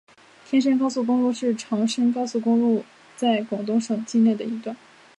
天汕高速公路是长深高速公路在广东省境内的一段。